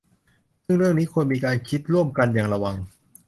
ซึ่งเรื่องนี้ควรมีการคิดร่วมกันอย่างระวัง